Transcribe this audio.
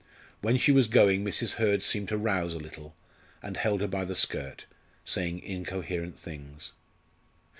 When she was going, Mrs. Hurd seemed to rouse a little, and held her by the skirt, saying incoherent things.